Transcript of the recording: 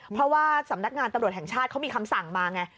เพราะว่าสำนักงานตำรวจแห่งชาติเขามีคำสั่งมาไง